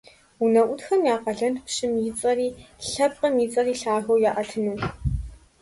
УнэӀутхэм я къалэнт пщым и цӀэри, лъэпкъым и цӀэри лъагэу яӀэтыну.